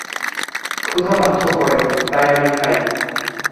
ক্ষুধা বাধ্য করে, তাই আমি খাই।